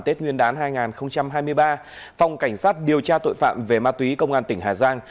tết nguyên đán hai nghìn hai mươi ba phòng cảnh sát điều tra tội phạm về ma túy công an tỉnh hà giang